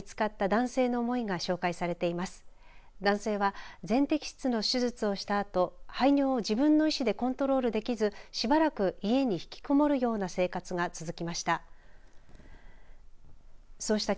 男性は全摘出の手術をしたあと排尿を自分の意思でコントロールできずしばらく家に引きこもるような生活が続きました。